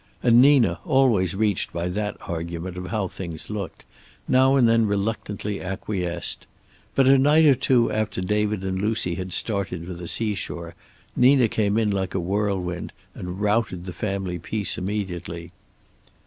And Nina, always reached by that argument of how things looked, now and then reluctantly acquiesced. But a night or two after David and Lucy had started for the seashore Nina came in like a whirlwind, and routed the family peace immediately.